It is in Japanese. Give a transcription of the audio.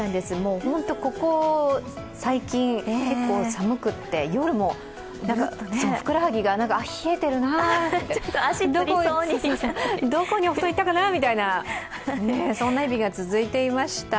ここ最近、結構寒くて夜もふくらはぎが冷えてるなと、どこにお布団いったかなみたいな、そんな日々が続いていました。